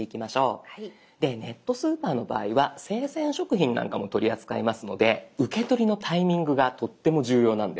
でネットスーパーの場合は生鮮食品なんかも取り扱いますので受け取りのタイミングがとっても重要なんです。